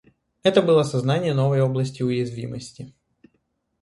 Это было сознание новой области уязвимости.